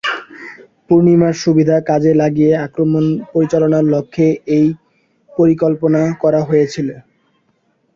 পূর্ণিমার সুবিধা কাজে লাগিয়ে আক্রমণ পরিচালনার লক্ষ্যে এ পরিকল্পনা করা হয়েছিল।